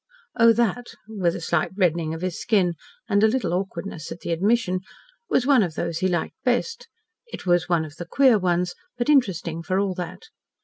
Oh, that (with a slight reddening of his skin and a little awkwardness at the admission) was one of those he liked best. It was one of the queer ones, but interesting for all that.